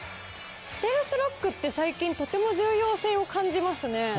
ステルスロックって最近とても重要性を感じますね。